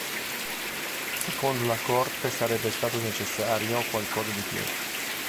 Secondo la Corte sarebbe stato necessario "qualcosa di più".